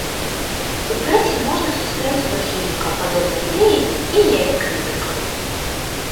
У прэсе можна сустрэць прыхільнікаў падобнай ідэі і яе крытыкаў.